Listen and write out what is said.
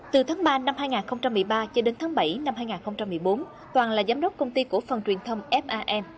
từ tháng ba năm hai nghìn một mươi ba cho đến tháng bảy năm hai nghìn một mươi bốn toàn là giám đốc công ty cổ phần truyền thông fam